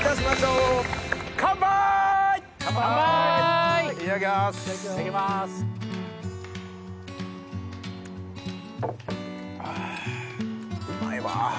うまいわ。